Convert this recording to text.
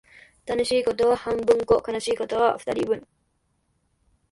楽しいことは半分こ、悲しいことは二人分